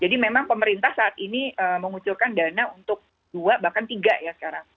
jadi memang pemerintah saat ini mengucurkan dana untuk dua bahkan tiga ya sekarang